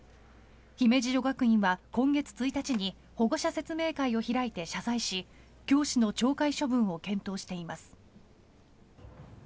姫路女学院は今月１日に保護者説明会を開いて謝罪し教師の懲戒処分を検討しています。